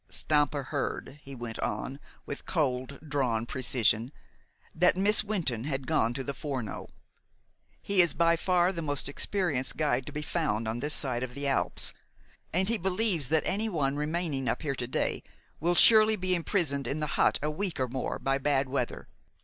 "Stampa heard," he went on, with cold drawn precision, "that Miss Wynton had gone to the Forno. He is by far the most experienced guide to be found on this side of the Alps, and he believes that anyone remaining up here to day will surely be imprisoned in the hut a week or more by bad weather.